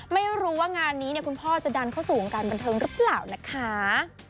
ไม่รู้ว่างานนี้คุณพ่อจะดันเข้าสู่วงการบันเทิงหรือเปล่านะคะ